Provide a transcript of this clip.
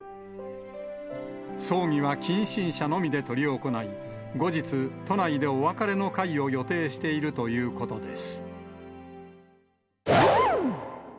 葬儀は近親者のみで執り行い、後日、都内でお別れの会を予定しているということです。